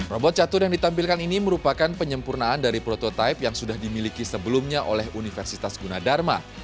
robot catur yang ditampilkan ini merupakan penyempurnaan dari prototipe yang sudah dimiliki sebelumnya oleh universitas gunadharma